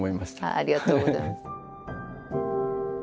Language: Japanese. ありがとうございます。